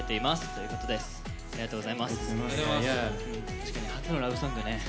確かに初のラブソングね。